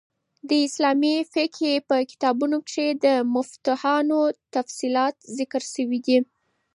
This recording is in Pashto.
د اسلامي فقهي په کتابو کښي د مفتوحانو تفصیلات ذکر سوي دي.